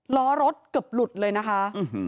ล้อรถเกือบหลุดเลยนะคะ